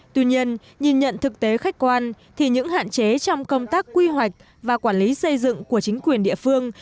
tuy nhiên nhìn nhận thực tế khách quan thì những hạn chế trong công tác quy hoạch và quản lý xây dựng của chính quyền địa phương